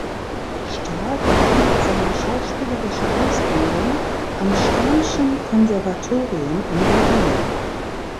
Stark erhielt seine schauspielerische Ausbildung am Stern’schen Konservatorium in Berlin.